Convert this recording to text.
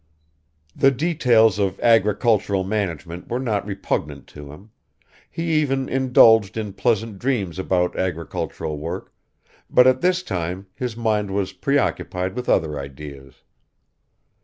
The details of agricultural management were not repugnant to him; he even indulged in pleasant dreams about agricultural work, but at this time his mind was preoccupied with other ideas.